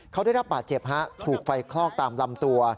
เขาได้รับบาดเจ็บฮะถูกไฟคลอกตามลำตัว